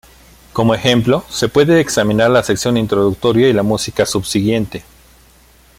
Como ejemplo, se puede examinar la sección introductoria y la música subsiguiente.